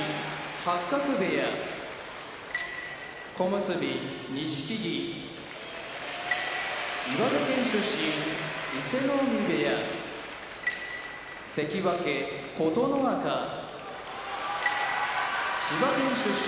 八角部屋小結・錦木岩手県出身伊勢ノ海部屋関脇・琴ノ若千葉県出身